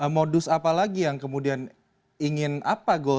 modus apa lagi yang kemudian ingin apa gol